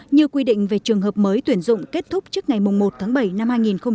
như quy định về trường hợp mới tuyển dụng kết thúc trước ngày một tháng bảy năm hai nghìn hai mươi